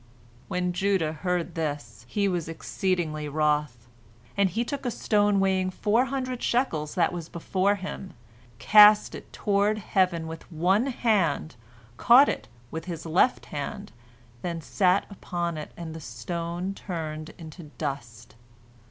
When Judah heard this, he was exceedingly wroth, and he took a stone weighing four hundred shekels that was before him, cast it toward heaven with one hand, caught it with his left hand, then sat upon it, and the stone turned into dust.